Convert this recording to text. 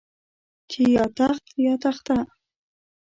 چې يا تخت يا تخته.